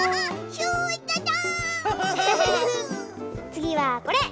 つぎはこれ！